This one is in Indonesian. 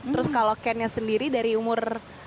terus kalau kennya sendiri dari umur